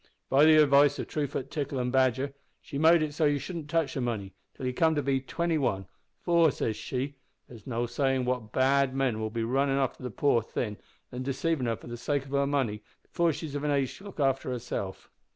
By the advice o' Truefoot Tickle, and Badger, she made it so that you shouldn't touch the money till you come to be twenty one, `for,' says she, `there's no sayin' what bad men will be runnin' after the poor thing an deceivin' her for the sake of her money before she is of an age to look after herself.'